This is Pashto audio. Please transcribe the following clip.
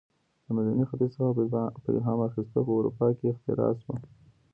له منځني ختیځ څخه په الهام اخیستو په اروپا کې اختراع شوه.